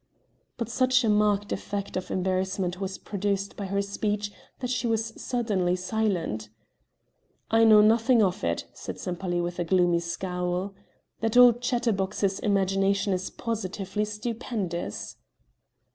But such a marked effect of embarrassment was produced by her speech that she was suddenly silent. "I know nothing of it," said Sempaly with a gloomy scowl. "That old chatterbox's imagination is positively stupendous."